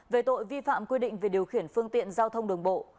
về tội vi phạm quy định về điều khiển phương tiện giao thông đường bộ